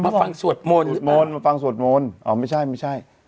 มาฟังสวดโมนสวดโมนมาฟังสวดโมนอ๋อไม่ใช่ไม่ใช่